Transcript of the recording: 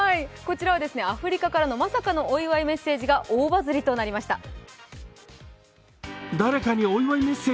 こちらはアフリカからのまさかのお祝いメッセージが大バズりとなりました。